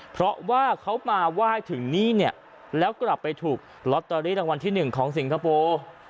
เพราะว่าเขามาไหว้ถึงนี่เนี่ยแล้วกลับไปถูกลอตเตอรี่รางวัลที่๑ของสิงคโปร์